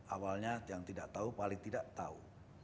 awalnya yang tidak tahu paling tidak tahu